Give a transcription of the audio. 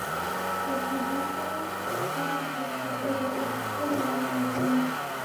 The division into books, however, is clearly not original.